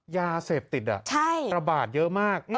ยาเสพติดระบาดเยอะมาก